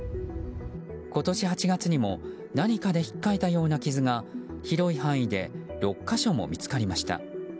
今年８月にも何かでひっかいたような傷が広い範囲で６か所も見つかりました。